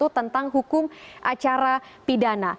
tentang hukum acara pidana